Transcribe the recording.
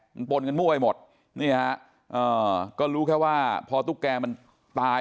มันปนกันมั่วไปหมดนี่ฮะก็รู้แค่ว่าพอตุ๊กแกมันตาย